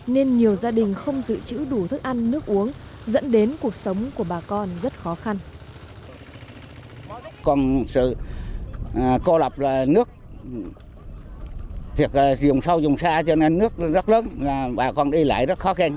nên nhiều gia đình không giữ chữ đủ thức ăn nước uống dẫn đến cuộc sống của bà con rất khó khăn